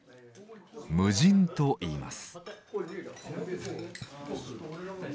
「無尽」といいます。